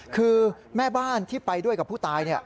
คือแม่บ้านที่ไปด้วยกับผู้ตาย